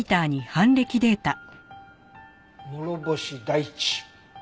「諸星大地」